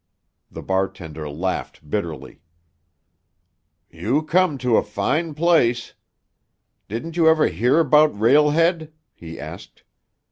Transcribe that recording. The bartender laughed bitterly. "You come to a fine place. Didn't you ever hear 'bout Rail Head?" he asked.